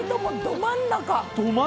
ど真ん中。